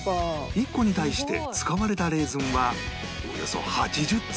１個に対して使われたレーズンはおよそ８０粒